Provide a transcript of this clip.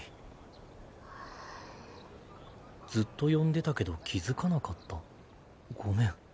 「ずっと呼んでたけど気付かなかった」？ごめん。